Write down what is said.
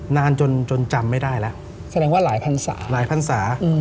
นานจนจนจำไม่ได้แล้วแสดงว่าหลายพันศาหลายพันศา